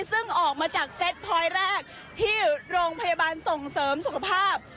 ซึ่งออกมาจากเซตพอยต์แรกที่โรงพยาบาลส่งเสริมสุขภาพ